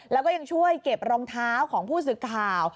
แล้วก็ยังช่วยเก็บรองเท้าของผู้สื่อข่าว